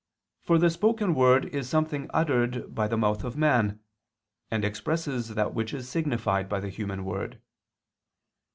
For the spoken word is something uttered by the mouth of man, and expresses that which is signified by the human word.